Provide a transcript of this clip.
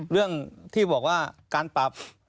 เรื่องที่บอกว่าการปรับ